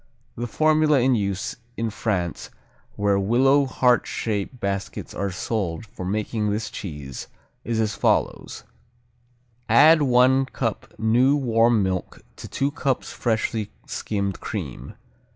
The formula in use in France, where willow heart shape baskets are sold for making this cheese, is as follows: Add one cup new warm milk to two cups freshly skimmed cream.